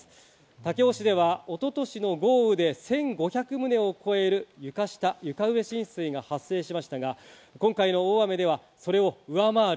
武雄市では一昨年の豪雨で１５００棟を超える床下、床上浸水が発生しましたが、今回の大雨ではそれを上回る